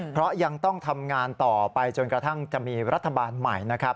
เพราะยังต้องทำงานต่อไปจนกระทั่งจะมีรัฐบาลใหม่นะครับ